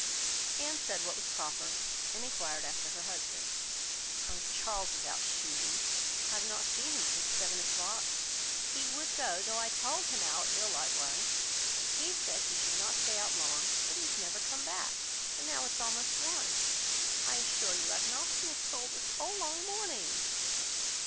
Anne said what was proper, and enquired after her husband. "Oh! Charles is out shooting. I have not seen him since seven o'clock. He would go, though I told him how ill I was. He said he should not stay out long; but he has never come back, and now it is almost one. I assure you, I have not seen a soul this whole long morning."